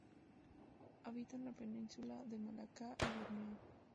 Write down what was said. Habita en la Península de Malaca y Borneo.